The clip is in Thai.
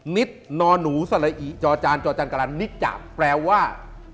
นิดนอนหนูสละอิจอจานจอจันกรรณนิจาแปลว่า